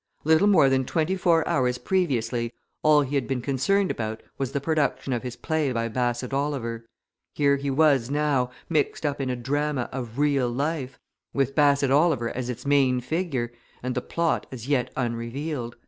Little more than twenty four hours previously, all he had been concerned about was the production of his play by Bassett Oliver here he was now, mixed up in a drama of real life, with Bassett Oliver as its main figure, and the plot as yet unrevealed.